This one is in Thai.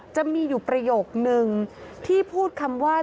จะมีอยู่ประโยคนึงที่พูดคำว่า